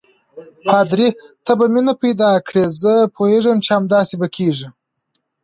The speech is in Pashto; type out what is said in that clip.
پادري: ته به مینه ورسره پیدا کړې، زه پوهېږم چې همداسې به کېږي.